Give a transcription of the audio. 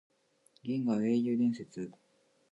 銀河英雄伝説